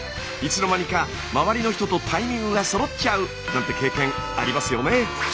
いつの間にか周りの人とタイミングがそろっちゃうなんて経験ありますよね。